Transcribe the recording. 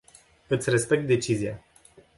Iti respect decizia.